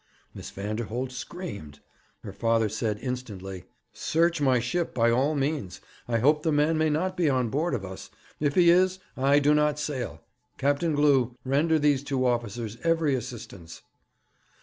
Miss Vanderholt screamed. Her father said instantly: 'Search my ship by all means. I hope the man may not be on board of us. If he is, I do not sail. Captain Glew, render these two officers every assistance.'